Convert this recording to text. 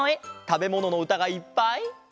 たべもののうたがいっぱい。